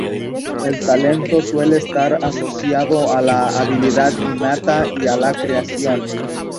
El talento suele estar asociado a la habilidad innata y a la creación.